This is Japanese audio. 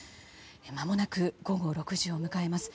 まもなく午後６時を迎えます。